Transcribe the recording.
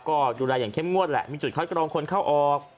ก็ดูแลอย่างเข้มงวดแหละมีจุดคัดกรองคนเข้าออก